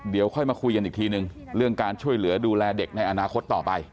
เดี๋ยวค่อยมาคุยกันอีกทีหนึ่งเรื่องการช่วยเหลือดูแลเด็กในอนาคตต่อไป